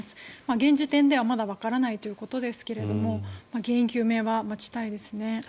現時点ではまだわからないということですが原因究明を待ちたいですね。